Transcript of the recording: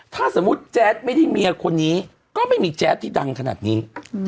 ถ้าสมมุติแจ๊ดไม่ได้เมียคนนี้ก็ไม่มีแจ๊ดที่ดังขนาดนี้